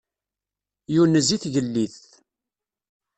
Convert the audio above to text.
Yunez i tgellidt.